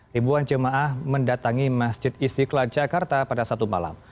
ribuan jemaah mendatangi masjid istiqlal jakarta pada satu malam